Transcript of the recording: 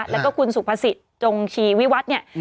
แล้วก็คุณสุภสิทธิ์จงชีวิวัฒน์เนี่ย